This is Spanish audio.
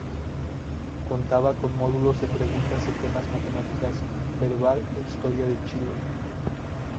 Contaba con módulos de preguntas de temas matemáticas, verbal e historia de Chile.